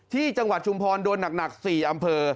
จังหวัดชุมพรโดนหนัก๔อำเภอ